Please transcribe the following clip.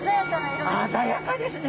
色鮮やかですね。